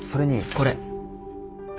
これ。